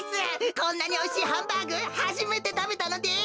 こんなにおいしいハンバーグはじめてたべたのです。